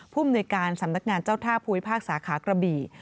ภูมิหน่วยการสำนักงานเจ้าท่าภูมิภาคสาขากระบี่